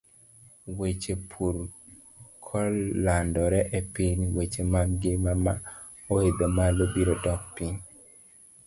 Weche pur kolandore e piny, weche mag ngima ma oidho malo biro dok piny.